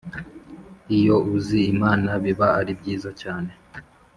Iyo uzi Imana biba ari byiza cyane